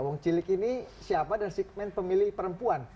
wong cilik ini siapa dan segmen pemilih perempuan